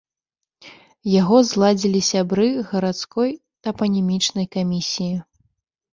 Яго зладзілі сябры гарадской тапанімічнай камісіі.